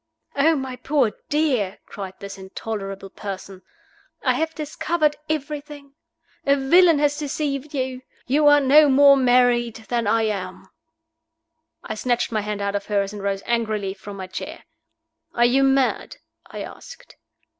"Oh, my poor dear!" cried this intolerable person. "I have discovered everything. A villain has deceived you. You are no more married than I am!" I snatched my hand out of hers, and rose angrily from my chair. "Are you mad?" I asked.